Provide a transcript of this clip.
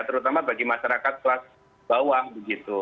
terutama bagi masyarakat kelas bawah begitu